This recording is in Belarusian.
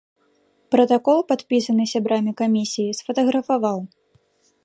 Пратакол, падпісаны сябрамі камісіі, сфатаграфаваў.